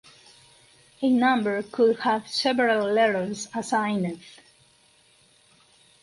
A number could have several letters assigned.